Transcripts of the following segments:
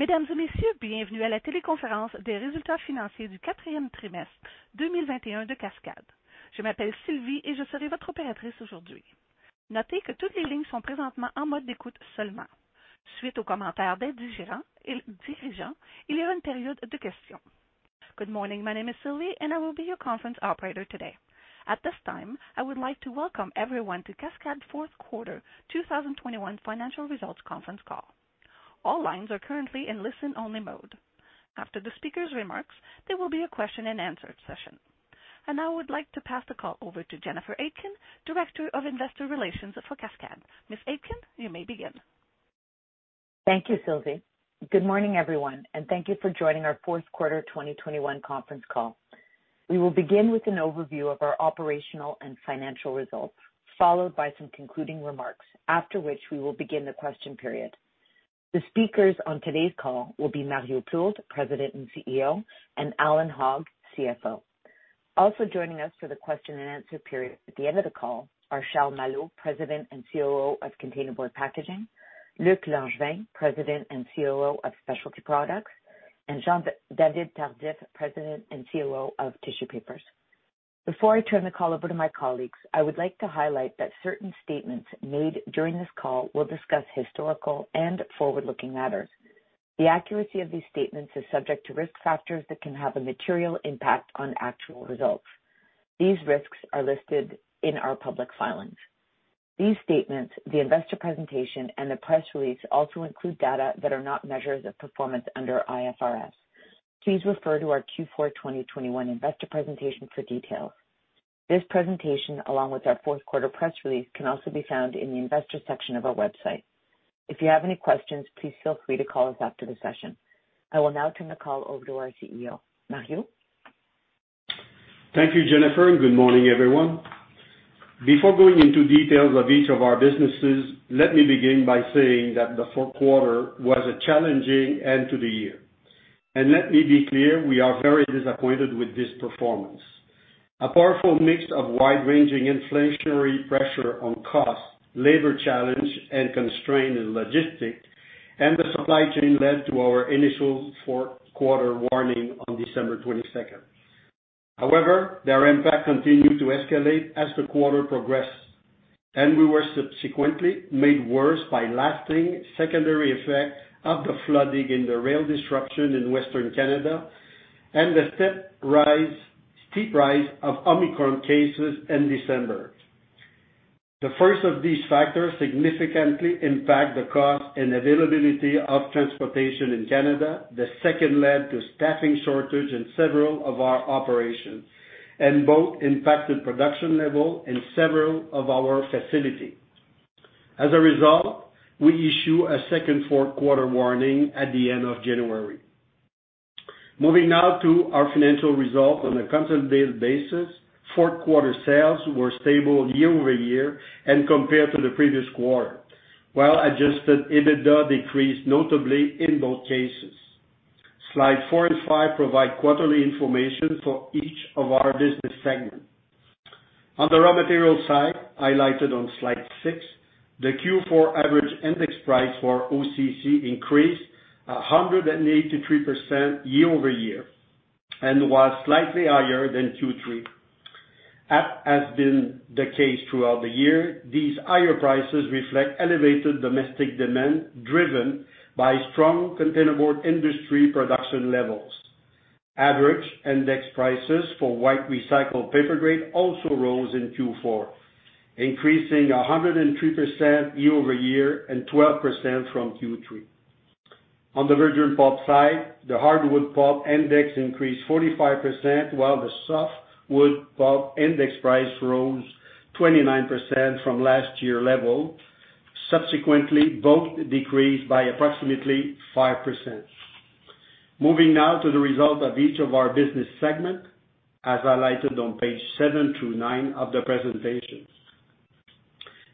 Mesdames et Messieurs, bienvenue à la téléconférence des résultats financiers du quatrième trimestre 2021 de Cascades. Je m'appelle Sylvie et je serai votre opératrice aujourd'hui. Notez que toutes les lignes sont présentement en mode d'écoute seulement. Suite aux commentaires des dirigeants, il y a une période de questions. Good morning. My name is Sylvie, and I will be your conference operator today. At this time, I would like to welcome everyone to Cascades fourth quarter 2021 financial results conference call. All lines are currently in listen-only mode. After the speaker's remarks, there will be a question and answer session. I would like to pass the call over to Jennifer Aitken, Director of Investor Relations for Cascades. Ms. Aitken, you may begin. Thank you, Sylvie. Good morning, everyone, and thank you for joining our fourth quarter 2021 conference call. We will begin with an overview of our operational and financial results, followed by some concluding remarks, after which we will begin the question period. The speakers on today's call will be Mario Plourde, President and CEO, and Allan Hogg, CFO. Also joining us for the question and answer period at the end of the call are Charles Malo, President and COO of Containerboard Packaging, Luc Langevin, President and COO of Specialty Products, and Jean-David Tardif, President and COO of Tissue Papers. Before I turn the call over to my colleagues, I would like to highlight that certain statements made during this call will discuss historical and forward-looking matters. The accuracy of these statements is subject to risk factors that can have a material impact on actual results. These risks are listed in our public filings. These statements, the investor presentation, and the press release also include data that are not measures of performance under IFRS. Please refer to our Q4 2021 investor presentation for details. This presentation, along with our fourth quarter press release, can also be found in the investor section of our website. If you have any questions, please feel free to call us after the session. I will now turn the call over to our CEO. Mario. Thank you, Jennifer, and good morning, everyone. Before going into details of each of our businesses, let me begin by saying that the fourth quarter was a challenging end to the year. Let me be clear, we are very disappointed with this performance. A powerful mix of wide-ranging inflationary pressure on costs, labor challenges and constraints in logistics, and the supply chain led to our initial fourth quarter warning on December 22. However, their impact continued to escalate as the quarter progressed, and we were subsequently made worse by lasting secondary effects of the flooding and the rail disruption in western Canada and the steep rise of Omicron cases in December. The first of these factors significantly impact the cost and availability of transportation in Canada. The second led to staffing shortages in several of our operations, and both impacted production levels in several of our facilities. As a result, we issue a second fourth quarter warning at the end of January. Moving now to our financial results. On a constant day basis, fourth quarter sales were stable year-over-year and compared to the previous quarter, while adjusted EBITDA decreased notably in both cases. Slide four and five provide quarterly information for each of our business segments. On the raw material side, highlighted on slide six, the Q4 average index price for OCC increased 183% year-over-year and was slightly higher than Q3. As has been the case throughout the year, these higher prices reflect elevated domestic demand, driven by strong Containerboard industry production levels. Average index prices for white recycled paper grade also rose in Q4, increasing 103% year-over-year and 12% from Q3. On the virgin pulp side, the hardwood pulp index increased 45%, while the softwood pulp index price rose 29% from last year level. Subsequently, both decreased by approximately 5%. Moving now to the results of each of our business segments, as highlighted on page seven through nine of the presentations.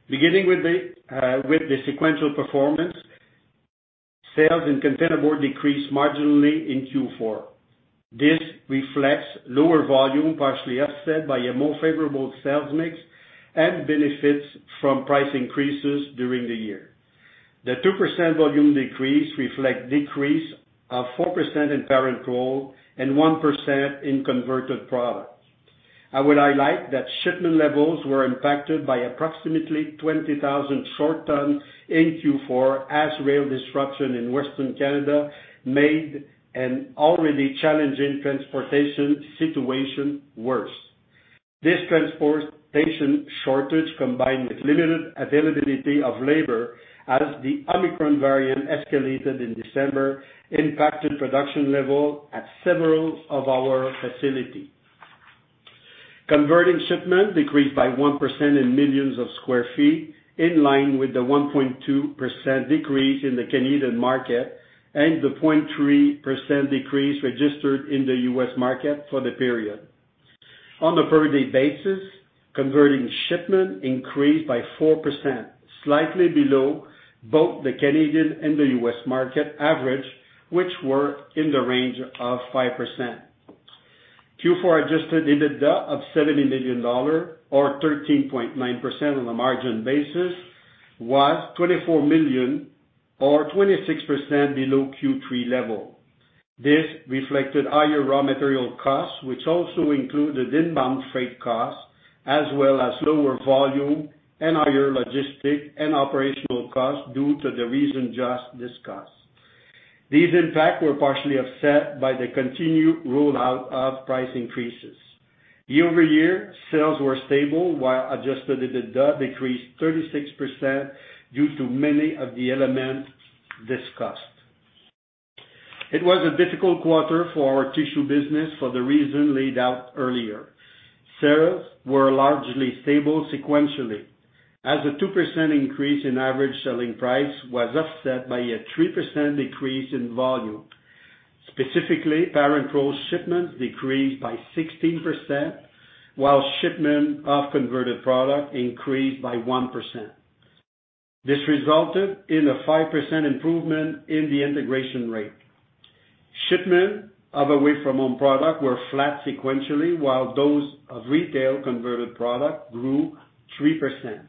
Beginning with the sequential performance, sales in Containerboard decreased marginally in Q4. This reflects lower volume, partially offset by a more favorable sales mix and benefits from price increases during the year. The 2% volume decrease reflects a decrease of 4% in parent roll and 1% in converted products. I would highlight that shipment levels were impacted by approximately 20,000 short tons in Q4 as rail disruption in Western Canada made an already challenging transportation situation worse. This transportation shortage, combined with limited availability of labor as the Omicron variant escalated in December, impacted production level at several of our facilities. Converting shipment decreased by 1% in millions of square feet, in line with the 1.2% decrease in the Canadian market and the 0.3% decrease registered in the U.S. market for the period. On a per day basis, converting shipment increased by 4%, slightly below both the Canadian and the U.S. market average, which were in the range of 5%. Q4 adjusted EBITDA of CAD 70 million or 13.9% on a margin basis was CAD 24 million or 26% below Q3 level. This reflected higher raw material costs, which also included inbound freight costs, as well as lower volume and higher logistic and operational costs due to the reason just discussed. These impacts were partially offset by the continued rollout of price increases. Year-over-year sales were stable while Adjusted EBITDA decreased 36% due to many of the elements discussed. It was a difficult quarter for our tissue business for the reason laid out earlier. Sales were largely stable sequentially as a 2% increase in average selling price was offset by a 3% decrease in volume. Specifically, parent roll shipments decreased by 16%, while shipment of converted product increased by 1%. This resulted in a 5% improvement in the integration rate. Shipment of away-from-home product were flat sequentially, while those of retail converted product grew 3%.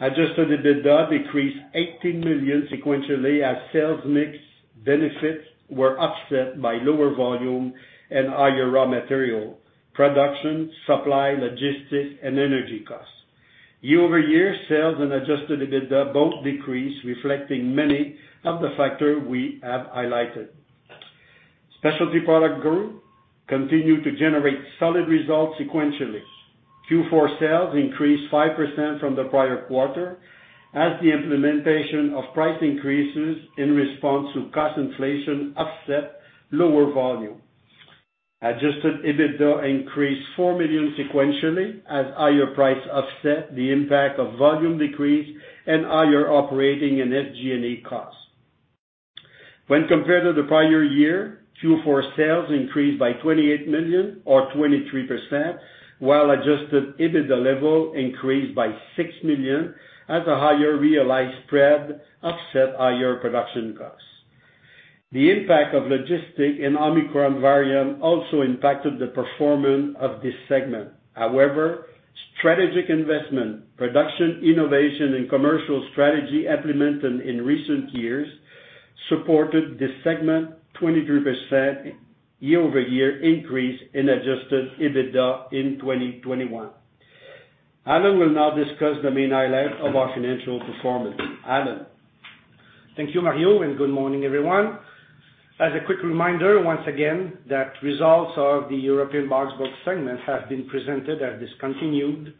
Adjusted EBITDA decreased 18 million sequentially as sales mix benefits were offset by lower volume and higher raw material, production, supply, logistics, and energy costs. Year-over-year, sales and adjusted EBITDA both decreased, reflecting many of the factors we have highlighted. Specialty Products continued to generate solid results sequentially. Q4 sales increased 5% from the prior quarter as the implementation of price increases in response to cost inflation offset lower volume. Adjusted EBITDA increased 4 million sequentially as higher price offset the impact of volume decrease and higher operating and SG&A costs. When compared to the prior year, Q4 sales increased by 28 million or 23%, while adjusted EBITDA level increased by 6 million as a higher realized spread offset higher production costs. The impact of logistics and Omicron variant also impacted the performance of this segment. However, strategic investment, production, innovation, and commercial strategy implemented in recent years supported this segment 23% year-over-year increase in adjusted EBITDA in 2021. Allan will now discuss the main highlights of our financial performance. Allan. Thank you, Mario, and good morning, everyone. As a quick reminder, once again, that results of the European Boxboard segment have been presented and discontinued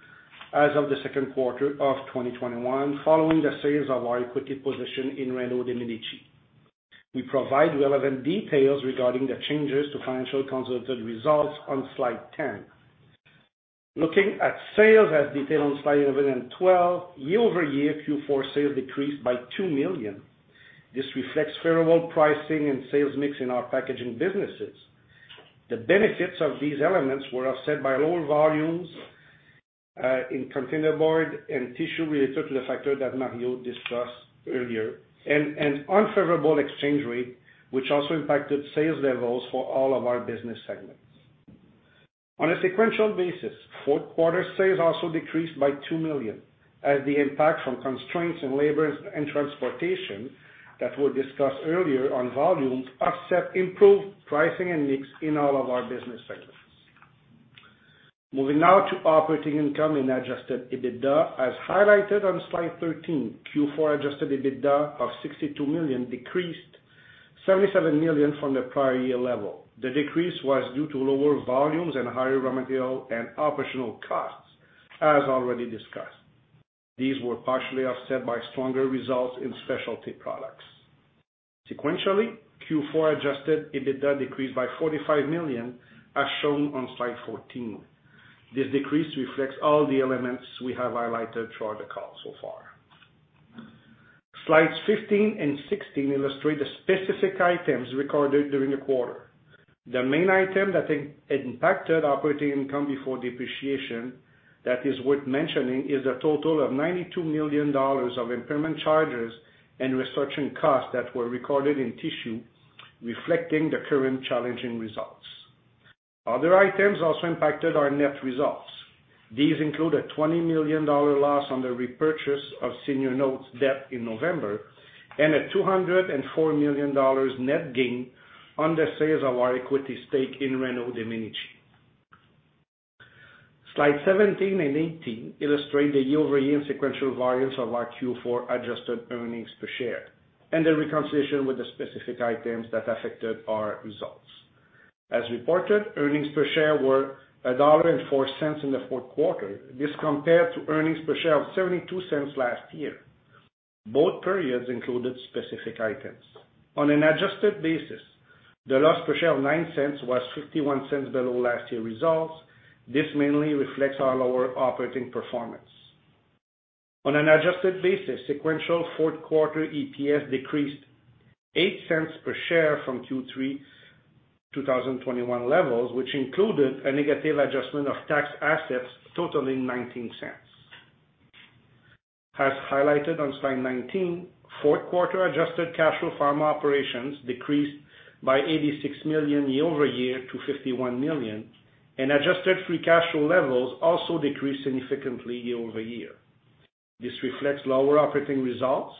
as of the second quarter of 2021 following the sale of our equity position in Reno De Medici. We provide relevant details regarding the changes to financial consolidated results on slide 10. Looking at sales as detailed on slide 11 and 12, year-over-year Q4 sales decreased by 2 million. This reflects favorable pricing and sales mix in our packaging businesses. The benefits of these elements were offset by lower volumes in containerboard and tissue related to the factor that Mario discussed earlier, and an unfavorable exchange rate, which also impacted sales levels for all of our business segments. On a sequential basis, fourth quarter sales also decreased by 2 million as the impact from constraints in labor and transportation that were discussed earlier on volumes offset improved pricing and mix in all of our business segments. Moving now to operating income and adjusted EBITDA. As highlighted on slide 13, Q4 adjusted EBITDA of 62 million decreased 77 million from the prior year level. The decrease was due to lower volumes and higher raw material and operational costs, as already discussed. These were partially offset by stronger results in Specialty Products. Sequentially, Q4 adjusted EBITDA decreased by 45 million as shown on slide 14. This decrease reflects all the elements we have highlighted throughout the call so far. Slides 15 and 16 illustrate the specific items recorded during the quarter. The main item that impacted operating income before depreciation that is worth mentioning is a total of 92 million dollars of impairment charges and restructuring costs that were recorded in Tissue, reflecting the current challenging results. Other items also impacted our net results. These include a 20 million dollar loss on the repurchase of senior notes debt in November and a 204 million dollars net gain on the sales of our equity stake in Reno De Medici. Slides 17 and 18 illustrate the year-over-year and sequential variance of our Q4 adjusted earnings per share and the reconciliation with the specific items that affected our results. As reported, earnings per share were 1.04 dollar in the fourth quarter. This compared to earnings per share of 0.72 last year. Both periods included specific items. On an adjusted basis, the loss per share of 0.09 cents was 0.51 cents below last year results. This mainly reflects our lower operating performance. On an adjusted basis, sequential fourth quarter EPS decreased 0.08 cents per share from Q3 2021 levels, which included a negative adjustment of tax assets totaling 19 cents. As highlighted on slide 19, fourth quarter adjusted cash flow from operations decreased by 86 million year-over-year to 51 million, and adjusted free cash flow levels also decreased significantly year-over-year. This reflects lower operating results,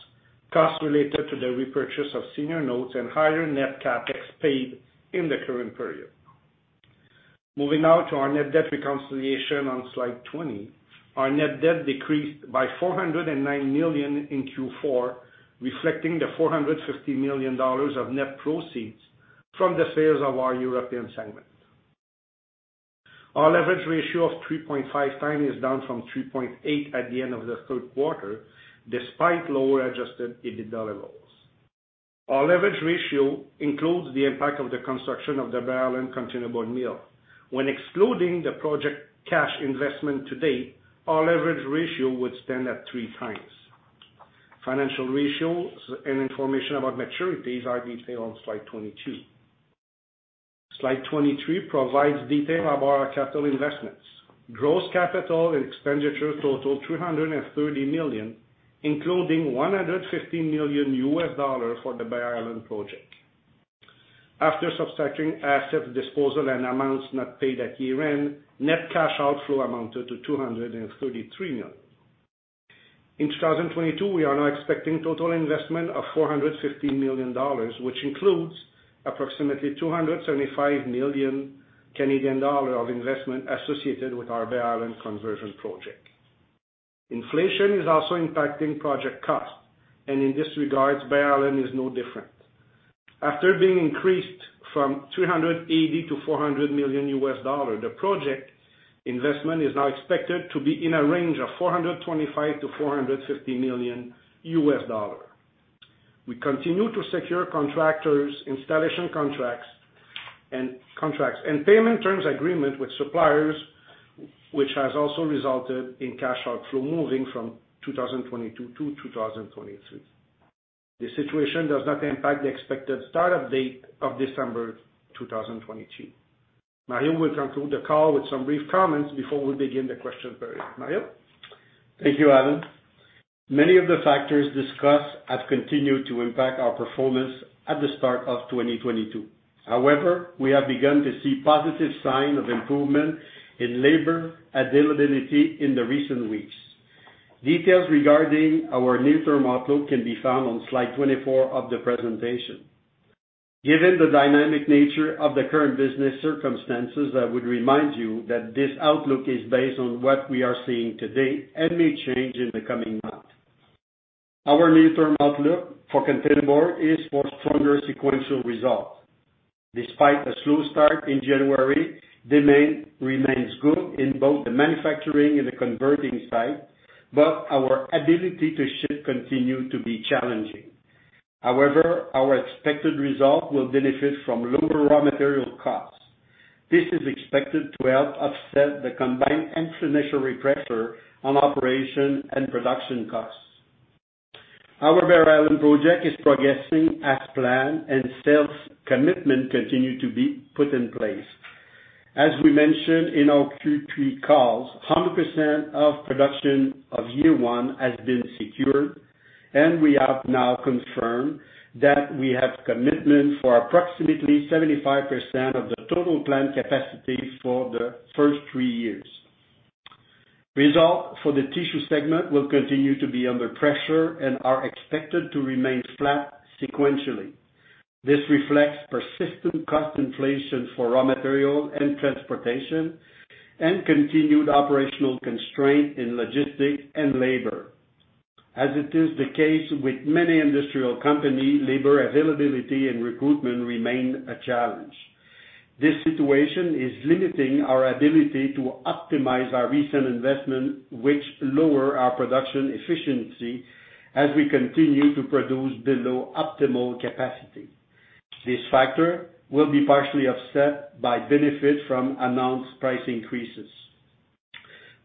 costs related to the repurchase of senior notes and higher net CapEx paid in the current period. Moving now to our net debt reconciliation on slide 20. Our net debt decreased by 409 million in Q4, reflecting the $450 million of net proceeds from the sales of our European segment. Our leverage ratio of 3.5x is down from 3.8x at the end of the third quarter, despite lower adjusted EBITDA levels. Our leverage ratio includes the impact of the construction of the Bear Island Container Board mill. When excluding the project cash investment to date, our leverage ratio would stand at 3x. Financial ratios and information about maturities are detailed on slide 22. Slide 23 provides detail about our capital investments. Gross capital expenditure totaled 330 million, including $150 million for the Bear Island project. After subtracting asset disposal and amounts not paid at year-end, net cash outflow amounted to 233 million. In 2022, we are now expecting total investment of 450 million dollars, which includes approximately 275 million Canadian dollar of investment associated with our Bear Island conversion project. Inflation is also impacting project costs, and in this regard, Bear Island is no different. After being increased from $380 million to $400 million, the project investment is now expected to be in a range of $425 million-$450 million. We continue to secure contractors, installation contracts and payment terms agreement with suppliers, which has also resulted in cash outflow moving from 2022 to 2023. This situation does not impact the expected start-up date of December 2022. Mario will conclude the call with some brief comments before we begin the question period. Mario. Thank you, Allan. Many of the factors discussed have continued to impact our performance at the start of 2022. However, we have begun to see positive sign of improvement in labor availability in the recent weeks. Details regarding our near-term outlook can be found on slide 24 of the presentation. Given the dynamic nature of the current business circumstances, I would remind you that this outlook is based on what we are seeing today and may change in the coming months. Our near-term outlook for Containerboard is for stronger sequential results. Despite a slow start in January, demand remains good in both the manufacturing and the converting side, but our ability to ship continue to be challenging. However, our expected results will benefit from lower raw material costs. This is expected to help offset the combined inflationary pressure on operation and production costs. Our Bear Island project is progressing as planned, and sales commitments continue to be put in place. As we mentioned in our Q3 calls, 100% of production of year 1 has been secured, and we have now confirmed that we have commitments for approximately 75% of the total plant capacity for the first three years. Results for the tissue segment will continue to be under pressure and are expected to remain flat sequentially. This reflects persistent cost inflation for raw material and transportation and continued operational constraints in logistics and labor. As is the case with many industrial companies, labor availability and recruitment remain a challenge. This situation is limiting our ability to optimize our recent investment, which lowers our production efficiency as we continue to produce below optimal capacity. This factor will be partially offset by benefits from announced price increases.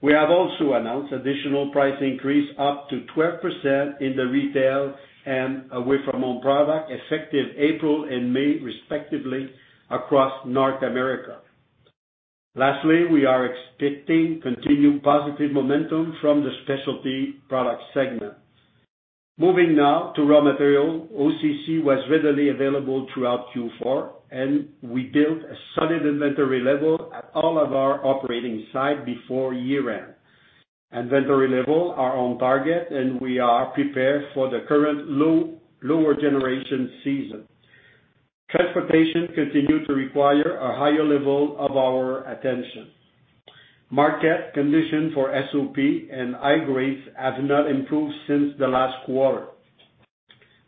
We have also announced additional price increase up to 12% in the retail and away-from-home product, effective April and May respectively across North America. Lastly, we are expecting continued positive momentum from the Specialty Products segment. Moving now to raw material. OCC was readily available throughout Q4, and we built a solid inventory level at all of our operating sites before year-end. Inventory levels are on target, and we are prepared for the current lower generation season. Transportation continued to require a higher level of our attention. Market conditions for SOP and high grades have not improved since the last quarter.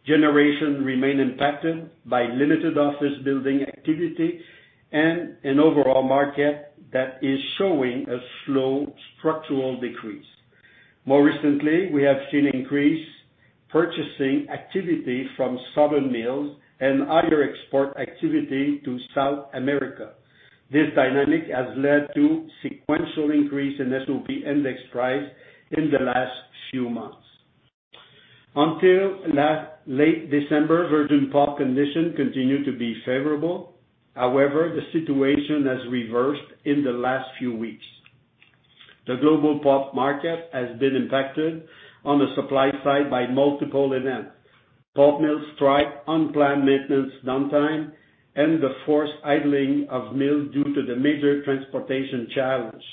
Generation remain impacted by limited office building activity and an overall market that is showing a slow structural decrease. More recently, we have seen increased purchasing activity from southern mills and higher export activity to South America. This dynamic has led to sequential increase in SOP index price in the last few months. Until late December, virgin pulp condition continued to be favorable. However, the situation has reversed in the last few weeks. The global pulp market has been impacted on the supply side by multiple events, pulp mill strike, unplanned maintenance downtime, and the forced idling of mills due to the major transportation challenge.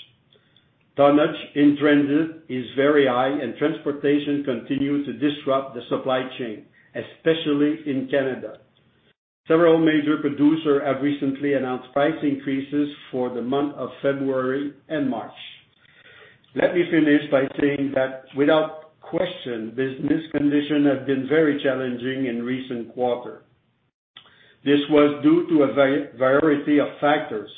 Tonnage in transit is very high, and transportation continues to disrupt the supply chain, especially in Canada. Several major producers have recently announced price increases for the month of February and March. Let me finish by saying that without question, business conditions have been very challenging in recent quarters. This was due to a variety of factors,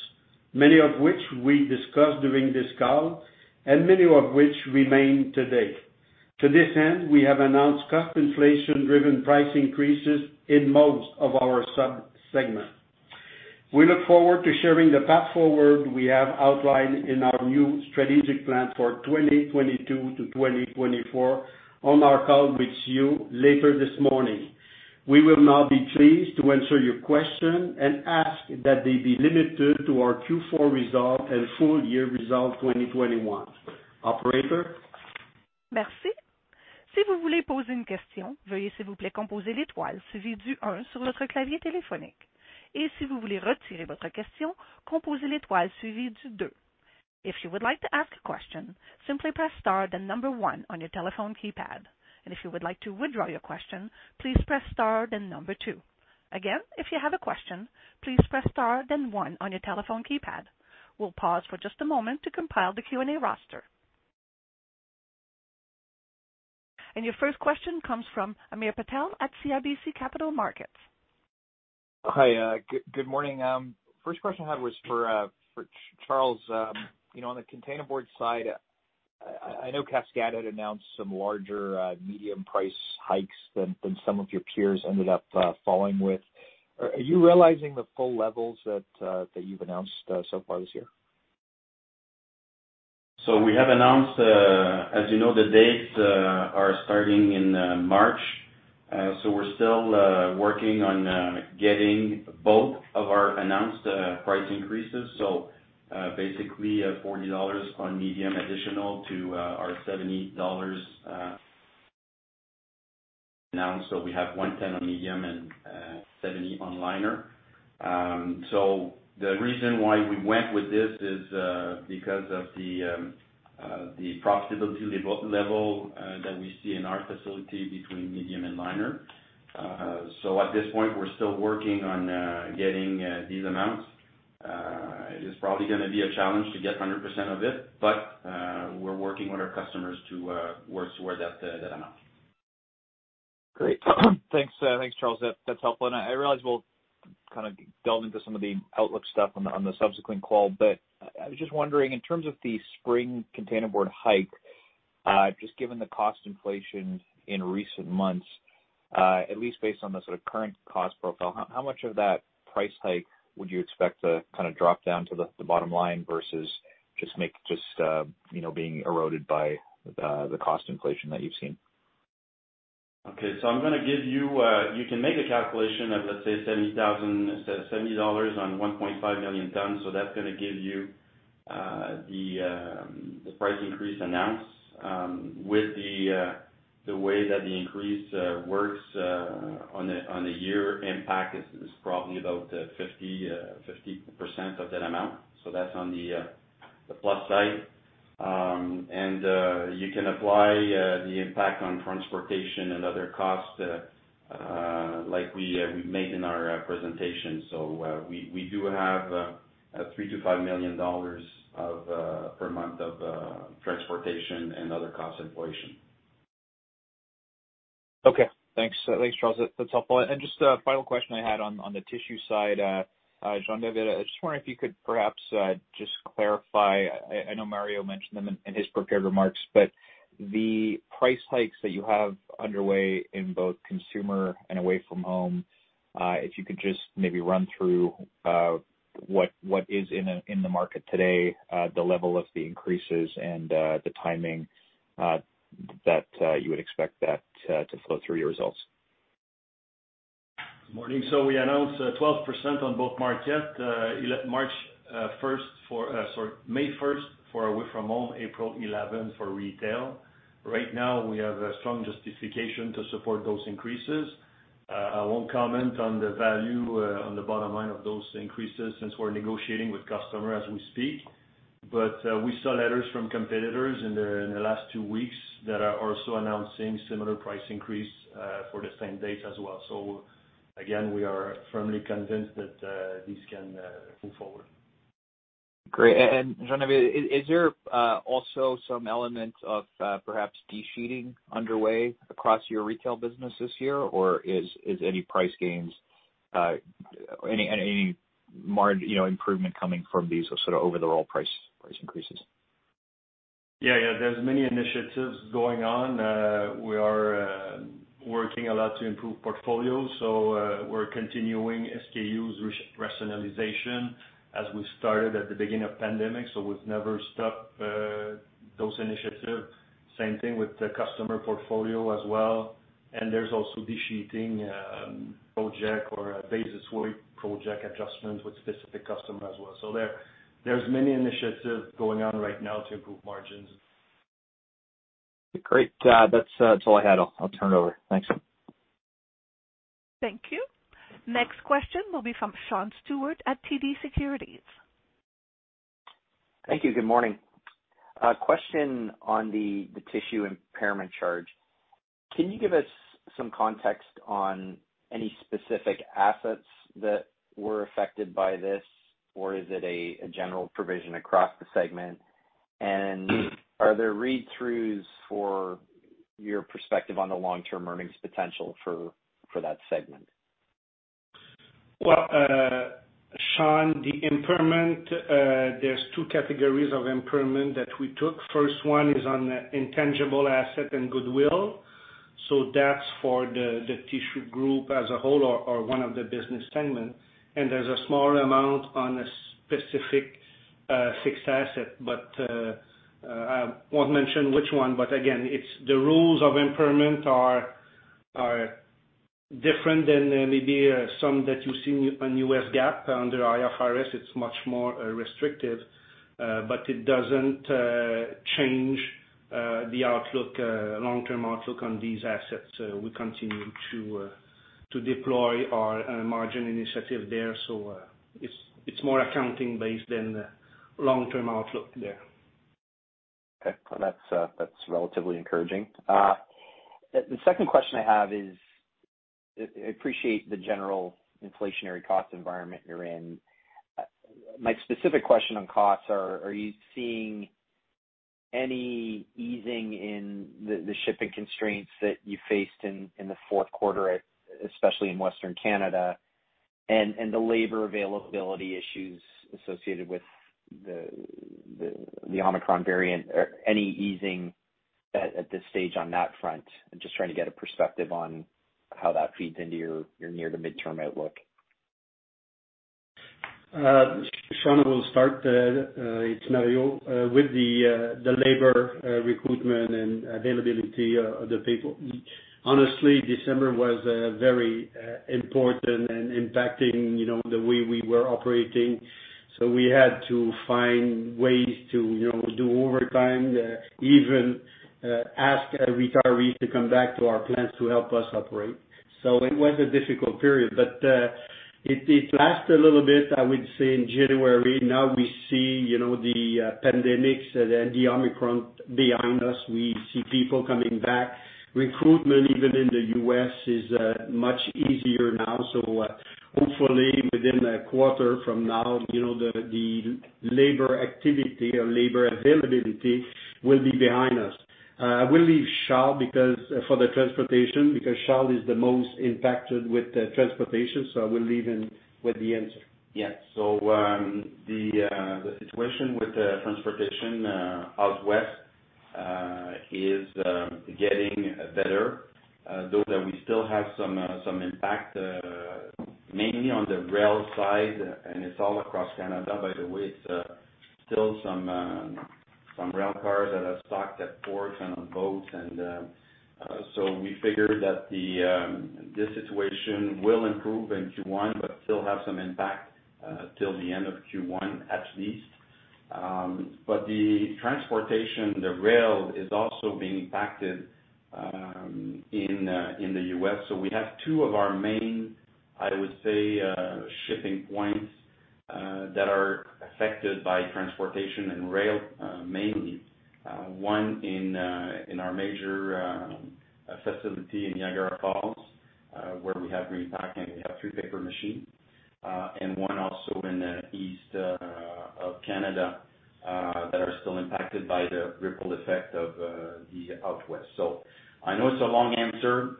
many of which we discussed during this call, and many of which remain today. To this end, we have announced cost inflation-driven price increases in most of our sub-segments. We look forward to sharing the path forward we have outlined in our new Strategic Plan for 2022 to 2024 on our call with you later this morning. We will now be pleased to answer your questions and ask that they be limited to our Q4 results and full year results 2021. Operator? Merci. Si vous voulez poser une question, veuillez s'il vous plaît composer l'étoile suivi du un sur votre clavier téléphonique. Et si vous voulez retirer votre question, composez l'étoile suivi du deux. If you would like to ask a question, simply press star then number one on your telephone keypad. If you would like to withdraw your question, please press star then number two. Again, if you have a question, please press star then one on your telephone keypad. We'll pause for just a moment to compile the Q&A roster. Your first question comes from Hamir Patel at CIBC Capital Markets. Hi, good morning. First question I had was for Charles. You know, on the Containerboard side, I know Cascades had announced some larger medium price hikes than some of your peers ended up following with. Are you realizing the full levels that you've announced so far this year? We have announced, as you know, the dates are starting in March. We're still working on getting both of our announced price increases. Basically, $40 on medium additional to our $70 now. We have $110 on medium and $70 on liner. The reason why we went with this is because of the profitability level that we see in our facility between medium and liner. At this point, we're still working on getting these amounts. It is probably gonna be a challenge to get 100% of it, but we're working with our customers to work toward that amount. Great. Thanks, Charles. That's helpful. I realize we'll kind of delve into some of the outlook stuff on the subsequent call, but I was just wondering, in terms of the spring Containerboard hike, just given the cost inflation in recent months, at least based on the sort of current cost profile, how much of that price hike would you expect to kind of drop down to the bottom line versus just, you know, being eroded by the cost inflation that you've seen? Okay. I'm gonna give you. You can make a calculation of, let's say, 70 dollars on 1.5 million tons, so that's gonna give you the price increase announced. With the way that the increase works, on the year impact is probably about 50% of that amount. That's on the plus side. You can apply the impact on transportation and other costs like we've made in our presentation. We do have 3 million-5 million dollars per month of transportation and other cost inflation. Okay. Thanks. Thanks, Charles. That's helpful. Just a final question I had on the tissue side. Jean-David, I was just wondering if you could perhaps just clarify. I know Mario mentioned them in his prepared remarks, but the price hikes that you have underway in both consumer and away from home, if you could just maybe run through what is in the market today, the level of the increases and the timing that you would expect to flow through your results. Morning. We announced 12% on both markets, May 1 for away from home, April 11 for retail. Right now, we have a strong justification to support those increases. I won't comment on the value on the bottom line of those increases since we're negotiating with customer as we speak. We saw letters from competitors in the last two weeks that are also announcing similar price increase for the same date as well. Again, we are firmly convinced that this can move forward. Great. Jean-David, is there also some element of perhaps de-sheeting underway across your retail business this year? Or is any price gains, you know, improvement coming from these sort of overall price increases? Yeah, yeah. There's many initiatives going on. We are working a lot to improve portfolio. We're continuing SKUs re-rationalization as we started at the beginning of pandemic. We've never stopped. Those initiative, same thing with the customer portfolio as well. There's also de-sheeting, project or a basis weight project adjustments with specific customer as well. There, there's many initiatives going on right now to improve margins. Great. That's all I had. I'll turn it over. Thanks. Thank you. Next question will be from Sean Steuart at TD Securities. Thank you. Good morning. A question on the Tissue impairment charge. Can you give us some context on any specific assets that were affected by this, or is it a general provision across the segment? Are there read-throughs for your perspective on the long-term earnings potential for that segment? Well, Sean, the impairment, there's two categories of impairment that we took. First one is on the intangible asset and goodwill, so that's for the tissue group as a whole or one of the business segment. There's a small amount on a specific fixed asset, but I won't mention which one. Again, it's the rules of impairment are different than maybe some that you see on U.S. GAAP. Under IFRS, it's much more restrictive, but it doesn't change the long-term outlook on these assets. We continue to deploy our margin initiative there, so it's more accounting based than the long-term outlook there. Okay. Well, that's relatively encouraging. The second question I have is, I appreciate the general inflationary cost environment you're in. My specific question on costs are you seeing any easing in the shipping constraints that you faced in the fourth quarter, especially in Western Canada, and the labor availability issues associated with the Omicron variant? Any easing at this stage on that front? I'm just trying to get a perspective on how that feeds into your near to midterm outlook. Sean, I will start, it's Mario. With the labor recruitment and availability of the people. Honestly, December was a very important and impacting, you know, the way we were operating. We had to find ways to, you know, do overtime, even ask retirees to come back to our plants to help us operate. It was a difficult period, but it lasted a little bit, I would say, in January. Now we see, you know, the pandemic and the Omicron behind us. We see people coming back. Recruitment, even in the U.S. is much easier now. Hopefully within a quarter from now, you know, the labor activity or labor availability will be behind us. I will leave Charles because Charles is the most impacted with the transportation, so I will leave him with the answer. Yeah. The situation with the transportation out west is getting better, though that we still have some impact mainly on the rail side, and it's all across Canada, by the way. It's still some rail cars that are stuck at ports and on boats, so we figure that this situation will improve in Q1, but still have some impact till the end of Q1, at least. The transportation, the rail is also being impacted in the U.S. We have two of our main, I would say, shipping points that are affected by transportation and rail, mainly. One in our major facility in Niagara Falls, where we have repacking, we have three paper machines, and one also in the east of Canada that are still impacted by the ripple effect of the out west. I know it's a long answer.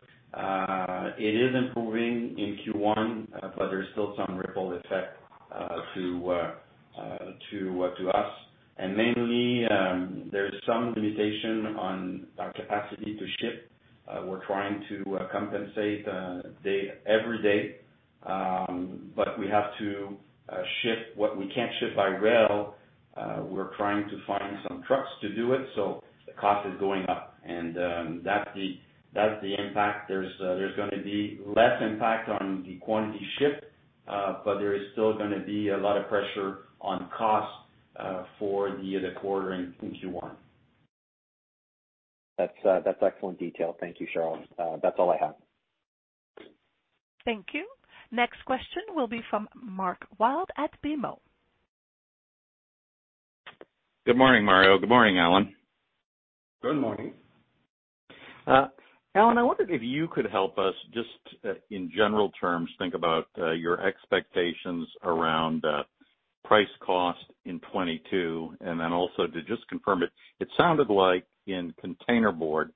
It is improving in Q1, but there's still some ripple effect to us. Mainly, there's some limitation on our capacity to ship. We're trying to compensate every day, but we have to ship what we can't ship by rail. We're trying to find some trucks to do it, so the cost is going up. That's the impact. There's gonna be less impact on the quantity shipped, but there is still gonna be a lot of pressure on cost for the quarter in Q1. That's excellent detail. Thank you, Charles. That's all I have. Thank you. Next question will be from Mark Wilde at BMO. Good morning, Mario. Good morning, Allan. Good morning. Allan, I wondered if you could help us just, in general terms, think about your expectations around price cost in 2022, and then also to just confirm it. It sounded like in Containerboard,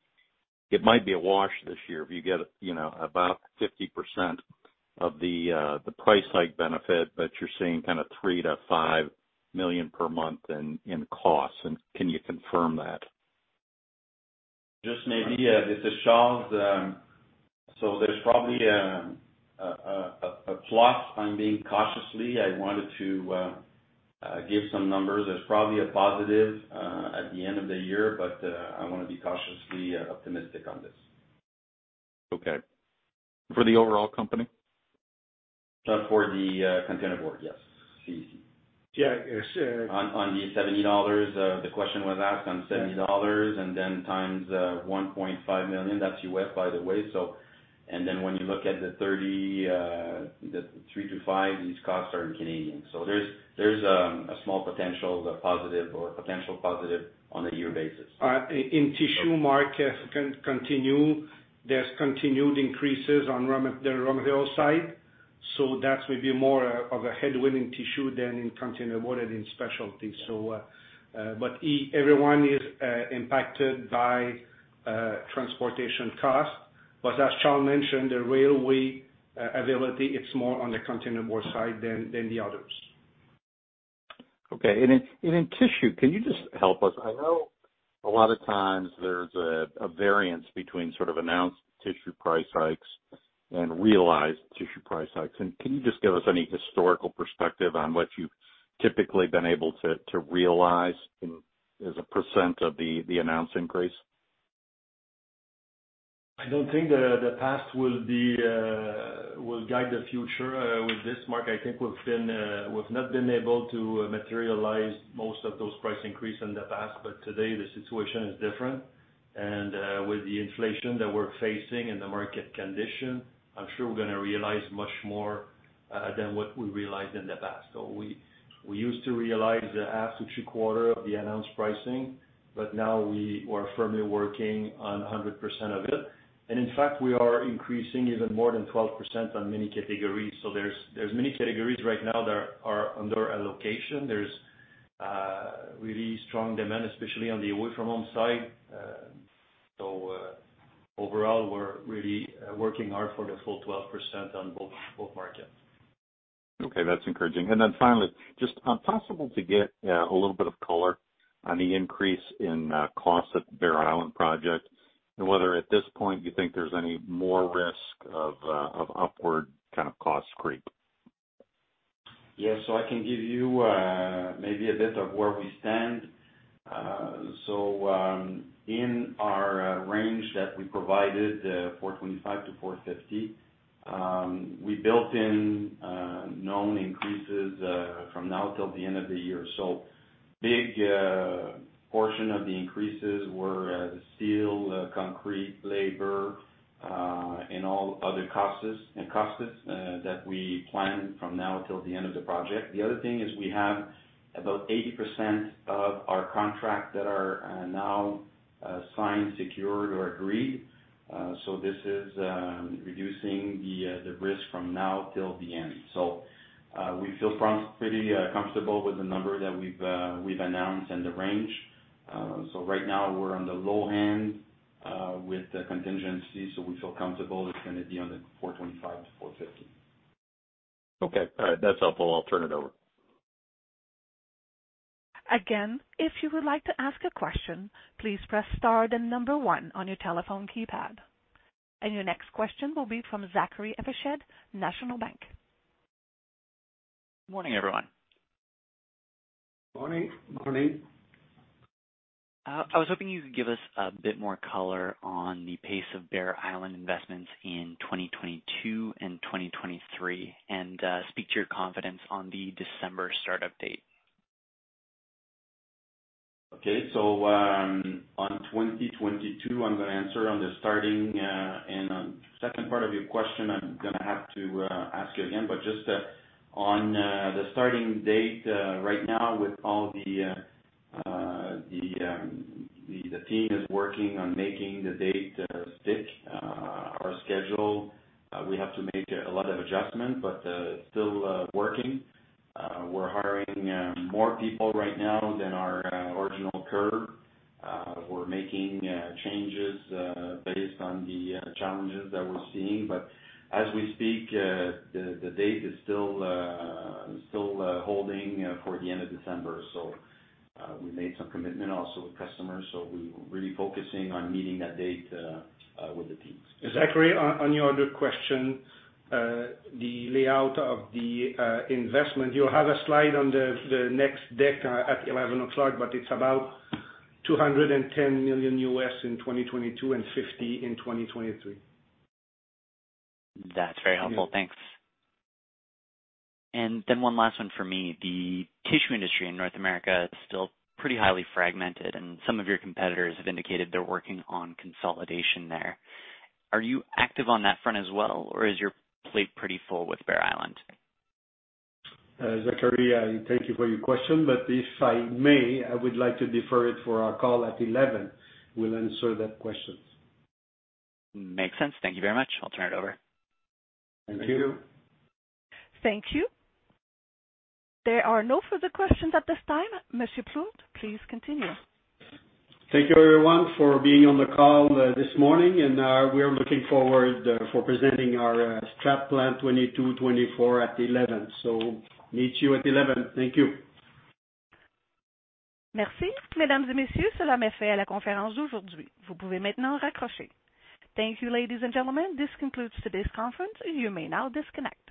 it might be a wash this year if you get, you know, about 50% of the price hike benefit, but you're seeing kinda 3 million-5 million per month in costs. Can you confirm that? This is Charles. There's probably a plan on being cautious. I wanted to give some numbers. There's probably a positive at the end of the year, but I wanna be cautiously optimistic on this. Okay. For the overall company? For the Containerboard, yes. CEC. Yeah, it's, On the $70, the question was asked on $70 and then times $1.5 million, that's U.S., by the way. Then when you look at the 30, the 3-5, these costs are in Canadian. There's a small potential, the positive or potential positive on a year basis. In tissue, Mark, continue. There's continued increases on raw material side. That's maybe more of a headwind in tissue than in containerboard and in specialty. Everyone is impacted by transportation costs. As Charles mentioned, the railway availability, it's more on the Containerboard side than the others. Okay. In tissue, can you just help us? I know a lot of times there's a variance between sort of announced tissue price hikes and realized tissue price hikes. Can you just give us any historical perspective on what you've typically been able to realize in as a percent of the announced increase? I don't think the past will guide the future with this, Mark. I think we've not been able to materialize most of those price increases in the past, but today the situation is different and with the inflation that we're facing and the market conditions, I'm sure we're gonna realize much more than what we realized in the past. We used to realize a half to three-quarters of the announced pricing, but now we are firmly working on 100% of it. In fact, we are increasing even more than 12% on many categories. There's many categories right now that are under allocation. There's really strong demand, especially on the away-from-home side. Overall we're really working hard for the full 12% on both markets. Okay, that's encouraging. Then finally, is it possible to get a little bit of color on the increase in costs at the Bear Island project and whether at this point you think there's any more risk of upward kind of cost creep. Yes. I can give you maybe a bit of where we stand. In our range that we provided, $425-$450, we built in known increases from now till the end of the year. Big portion of the increases were steel, concrete, labor and all other costs that we plan from now till the end of the project. The other thing is we have about 80% of our contracts that are now signed, secured or agreed. This is reducing the risk from now till the end. We feel pretty comfortable with the number that we've announced and the range. Right now we're on the low end, with the contingency, so we feel comfortable it's gonna be on the 425-450. Okay. All right. That's helpful. I'll turn it over. Your next question will be from Zachary Evershed, National Bank Financial. Morning, everyone. Morning. Morning. I was hoping you could give us a bit more color on the pace of Bear Island investments in 2022 and 2023 and speak to your confidence on the December start-up date. Okay. On 2022, I'm gonna answer on the starting, and on second part of your question, I'm gonna have to ask you again, but just on the starting date, right now with all the team is working on making the date stick. Our schedule, we have to make a lot of adjustments, but still working. We're hiring more people right now than our original curve. We're making changes based on the challenges that we're seeing. But as we speak, the date is still holding for the end of December. We made some commitment also with customers, so we're really focusing on meeting that date with the teams. Zachary, on your other question, the layout of the investment, you'll have a slide on the next deck at eleven o'clock, but it's about $210 million in 2022 and $50 million in 2023. That's very helpful. Thanks. One last one for me. The tissue industry in North America is still pretty highly fragmented, and some of your competitors have indicated they're working on consolidation there. Are you active on that front as well, or is your plate pretty full with Bear Island? Zachary, I thank you for your question, but if I may, I would like to defer it for our call at 11. We'll answer that question. Makes sense. Thank you very much. I'll turn it over. Thank you. Thank you. Thank you. There are no further questions at this time. Monsieur Plourde, please continue. Thank you everyone for being on the call this morning, and we are looking forward to presenting our Strategic Plan 2022-2024 at 11 A.M. Meet you at 11 A.M. Thank you. Merci. Thank you, ladies and gentlemen. This concludes today's conference. You may now disconnect.